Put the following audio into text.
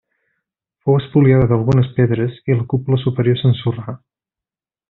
Fou espoliada d'algunes pedres i la cúpula superior s'ensorrà.